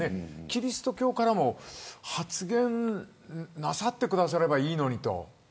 キリスト教からも発言なさってくださればいいのにと。